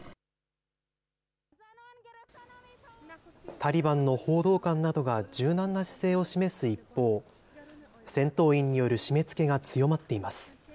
タリバンの報道官などが柔軟な姿勢を示す一方、戦闘員による締めつけが強まっています。